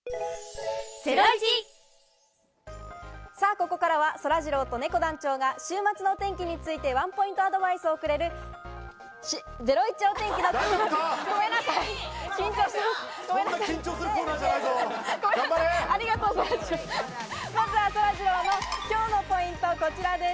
ここからは、そらジローとねこ団長が週末の天気についてワンポイントアドバイスをくれるゼロイチお天気のコーナーです。